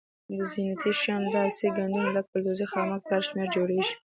زینتي شیان لاسي ګنډونه لکه ګلدوزي خامک تار شمېر جوړیږي.